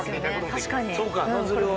確かに。